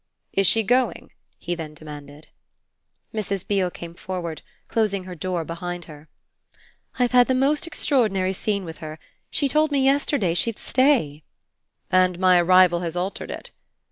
"Is she going?" he then demanded. Mrs. Beale came forward, closing her door behind her. "I've had the most extraordinary scene with her. She told me yesterday she'd stay." "And my arrival has altered it?"